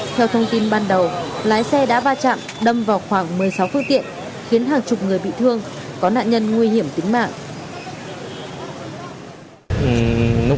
theo thông tin ban đầu lái xe đã va chạm đâm vào khoảng một mươi sáu phương tiện khiến hàng chục người bị thương có nạn nhân nguy hiểm tính mạng